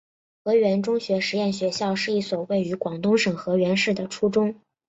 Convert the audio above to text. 河源中学实验学校是一所位于广东省河源市的初中。